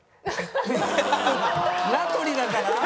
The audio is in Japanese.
名取だから？